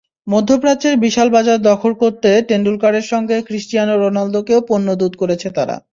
মধ্যপ্রাচ্যের বিশাল বাজার দখল করতে টেন্ডুলকারের সঙ্গে ক্রিস্টিয়ানো রোনালদোকেও পণ্যদূত করেছে তারা।